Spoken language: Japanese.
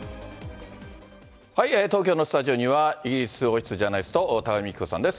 東京のスタジオには、イギリス王室ジャーナリスト、多賀幹子さんです。